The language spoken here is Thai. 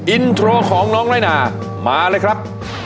อินโทรของน้องน้อยนามาเลยครับ